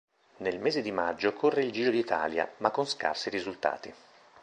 Nel mese di maggio corre il Giro d'Italia, ma con scarsi risultati.